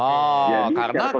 jadi secara konsisten